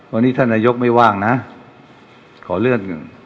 วันนี้ท่านนายกไม่ว่างนะขอเลื่อนหนึ่ง